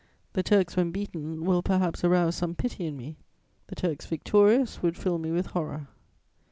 The Turks, when beaten, will perhaps arouse some pity in me; the Turks victorious would fill me with horror.